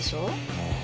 ああ。